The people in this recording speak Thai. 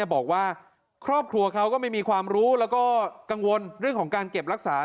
บอกว่าครอบครัวเขาก็ไม่มีความรู้แล้วก็กังวลเรื่องของการเก็บรักษา